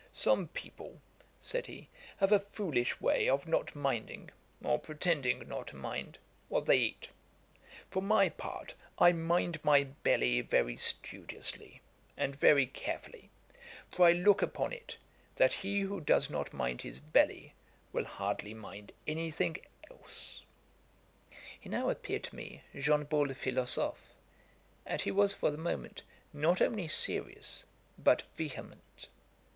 'Some people (said he,) have a foolish way of not minding, or pretending not to mind, what they eat. For my part, I mind my belly very studiously, and very carefully; for I look upon it, that he who does not mind his belly will hardly mind anything else.' He now appeared to me Jean Bull philosophe, and he was, for the moment, not only serious but vehement.